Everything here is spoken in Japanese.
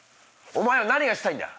お前は何がしたいんだ！